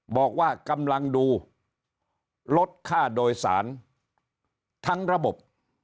บอกว่ากำลังดูลดค่าโดยสารทั้งระบบ